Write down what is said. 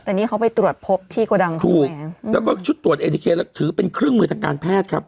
แต่นี่เขาไปตรวจพบที่กระดังถูกแล้วก็ชุดตรวจเอทีเคแล้วถือเป็นเครื่องมือทางการแพทย์ครับ